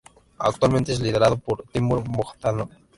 Actualmente es liderado por Timur Bogdanov.